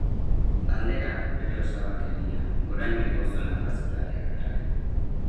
Bandera, bere osabak egina, goraino igo zuen argazkilariak berak.